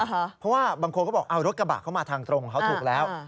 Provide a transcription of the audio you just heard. เพราะว่าบางคนก็บอกเอารถกระบะเข้ามาทางตรงของเขาถูกแล้ว